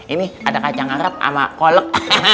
ini ada kacang arab sama kolek